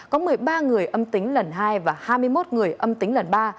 có một mươi ba người âm tính lần hai và hai mươi một người âm tính lần ba